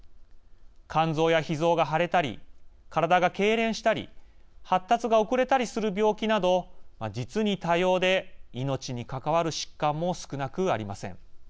肝臓やひ臓が腫れたり体がけいれんしたり発達が遅れたりする病気など実に多様で、命に関わる疾患も少なくありません。